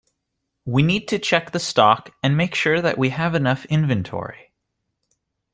We need to check the stock, and make sure that we have enough inventory